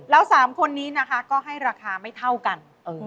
แล้ว๓คนนี้นะคะก็ให้ราคาไม่เท่ากัน